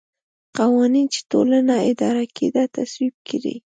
قوانین چې ټولنه اداره کېده تصویب کړي.